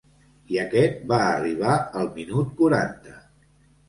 I aquest va arribar al minut quaranta.